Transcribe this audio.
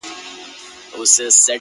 زه مي له ژونده په اووه قرآنه کرکه لرم؛